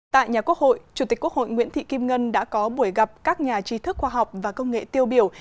tại nhà quốc hội chủ tịch quốc hội nguyễn thị kim ngân đã có buổi gặp các nhà trí thức khoa học và công nghệ tiêu biểu